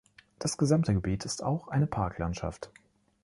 Das gesamte Gebiet ist auch eine Parklandschaft.